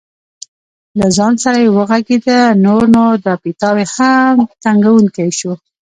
له ځان سره یې وغږېده: نور نو دا پیتاوی هم تنګوونکی شو.